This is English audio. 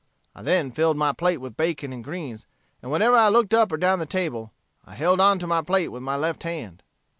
I then filled my plate with bacon and greens. And whenever I looked up or down the table, I held on to my plate with my left hand.